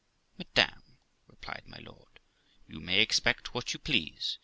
' Madam ', replied my lord, ' you may expect what you please.